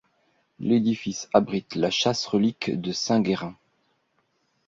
L'édifice abrite la châsse-relique de saint Guérin.